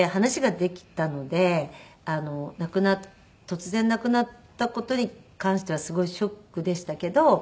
突然亡くなった事に関してはすごいショックでしたけど。